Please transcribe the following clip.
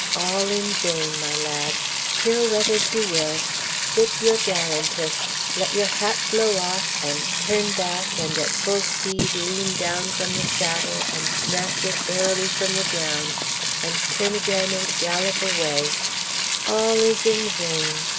All in vain, my lad: pirouette as you will; sit your gallantest; let your hat blow off, and turn back, and at full speed lean down from the saddle, and snatch it airily from the ground, and turn again and gallop away; all is in vain.